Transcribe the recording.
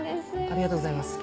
ありがとうございます。